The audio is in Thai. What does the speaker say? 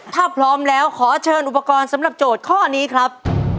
ถ้าพร้อมแล้วขอเชิญอุปกรณ์สำหรับโจทย์ข้อนี้ครับ